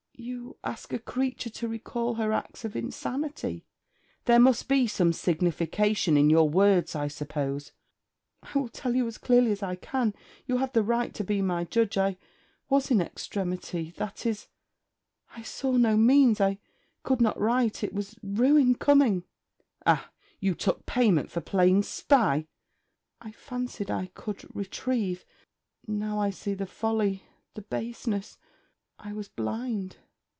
'You ask a creature to recall her acts of insanity.' 'There must be some signification in your words, I suppose.' 'I will tell you as clearly as I can. You have the right to be my judge. I was in extremity that is, I saw no means... I could not write: it was ruin coming.' 'Ah? you took payment for playing spy?' 'I fancied I could retrieve... Now I see the folly, the baseness. I was blind.'